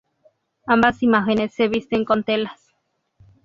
Ambas imágenes se visten con telas.